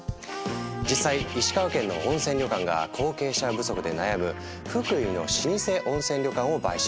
実際石川県の温泉旅館が後継者不足で悩む福井の老舗温泉旅館を買収。